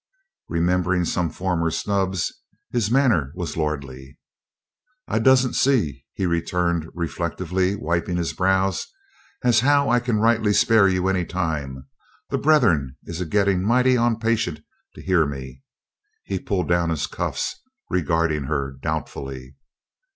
Remembering some former snubs, his manner was lordly. "I doesn't see," he returned reflectively, wiping his brows, "as how I can rightly spare you any time; the brethren is a gettin' mighty onpatient to hear me." He pulled down his cuffs, regarding her doubtfully.